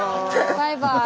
バイバイ。